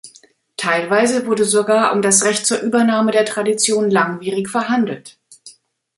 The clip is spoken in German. Teilweise wurde sogar um das Recht zur Übernahme der Tradition langwierig verhandelt.